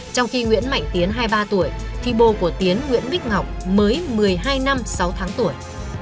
trong khi nguyễn mạnh tiến hai mươi ba tuổi thì bồ của tiến nguyễn bích ngọc mới một mươi hai năm sáu tháng tuổi